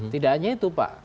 tidak hanya itu pak